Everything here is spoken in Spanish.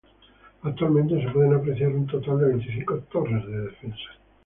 Actualmente se pueden apreciar un total de veinticinco torres de defensa.